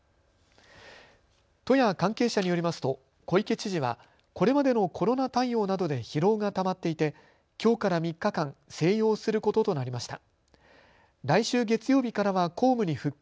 都や関係者によりますと小池知事はこれまでのコロナ対応などで疲労がたまっていてきょうから３日間、静養することとなりました。